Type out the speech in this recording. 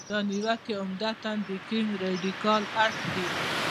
دا نیوکې عمدتاً د کیڼ رادیکال اړخ دي.